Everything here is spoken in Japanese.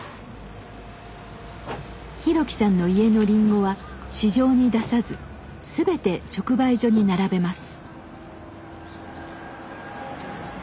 博樹さんの家のりんごは市場に出さず全て直売所に並べます。